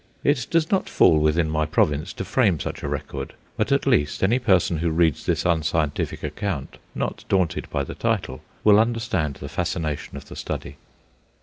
It does not fall within my province to frame such a record. But at least any person who reads this unscientific account, not daunted by the title, will understand the fascination of the study.